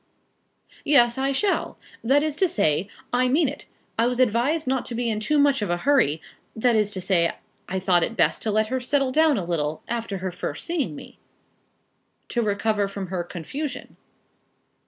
"Yes, I shall; that is to say, I mean it. I was advised not to be in too much of a hurry; that is to say, I thought it best to let her settle down a little after her first seeing me." "To recover from her confusion?"